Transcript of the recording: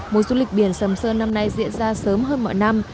mùa du lịch biển sầm sơn năm nay diễn ra sớm hơn mọi năm